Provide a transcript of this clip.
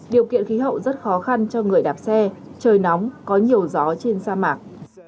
điều kiện khí hậu rất khó khăn cho người đạp xe trời nóng có nhiều gió trên sa mạc